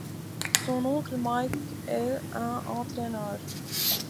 Son oncle Mike est un entraîneur.